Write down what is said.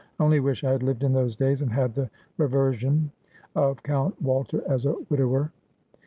' I only wish I had lived in those days, and had the rever sion of Count Walter, as a widower.